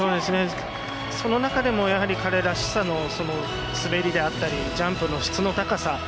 その中でも、やはり彼らしさの滑りであったりジャンプの質の高さ。